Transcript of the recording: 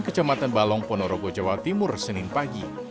kecamatan balong ponorogo jawa timur senin pagi